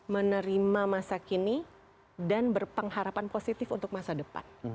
menerima masa kini dan berpengharapan positif untuk masa depan